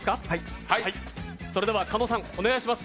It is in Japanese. それでは狩野さん、お願いします。